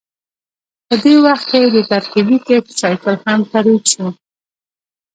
په دې وخت کې د ترکیبي کښت سایکل هم ترویج شو